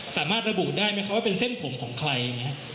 สามารถระบุได้ไหมคะว่าเป็นเส้นผมของใคร